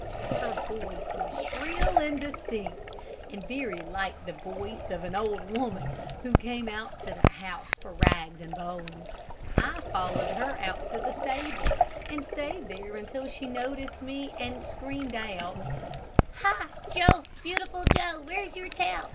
Her voice was shrill and distinct, and very like the voice of an old woman who came to the house for rags and bones. I followed her out to the stable, and stayed there until she noticed me and screamed out, "Ha, Joe, Beautiful Joe! Where's your tail?